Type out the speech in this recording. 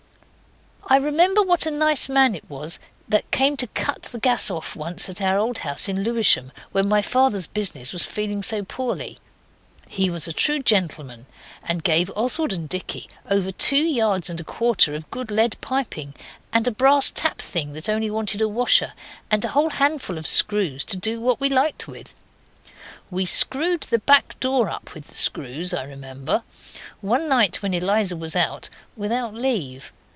I remember what a nice man it was that came to cut the gas off once at our old house in Lewisham, when my father's business was feeling so poorly. He was a true gentleman, and gave Oswald and Dicky over two yards and a quarter of good lead piping, and a brass tap that only wanted a washer, and a whole handful of screws to do what we liked with. We screwed the back door up with the screws, I remember, one night when Eliza was out without leave.